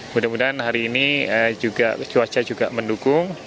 mudah mudahan hari ini juga cuaca juga mendukung